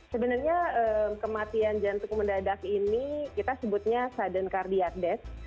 sebenarnya kematian jantung mendadak ini kita sebutnya sudden cardiade desk